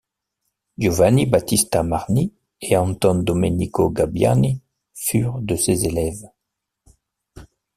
Giovanni Battista Marmi et Anton Domenico Gabbiani furent de ses élèves.